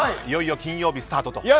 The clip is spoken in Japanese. いよいよ金曜日スタートと。